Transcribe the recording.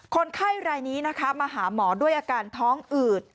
คนไข้รายนี้นะคะมาหาหมอด้วยอาการท้องอืด